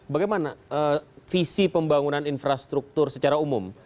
bagaimana visi pembangunan infrastruktur secara umum